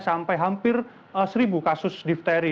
sampai hampir seribu kasus difteri